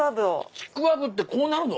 ちくわぶってこうなるの？